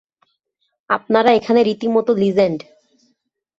আপনারা এখানে রীতিমত লিজেন্ড।